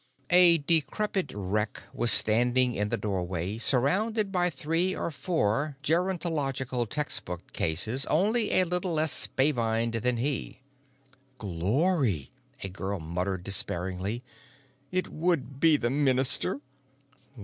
A decrepit wreck was standing in the doorway, surrounded by three or four gerontological textbook cases only a little less spavined than he. "Glory," a girl muttered despairingly. "It would be the minister."